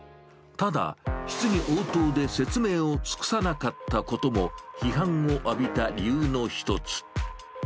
ただ、質疑応答で説明を尽くさなかったことも、批判を浴びた理由の一つ。